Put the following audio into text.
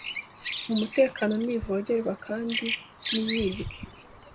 mu mutekano ntivogerwe kandi ntiyibwe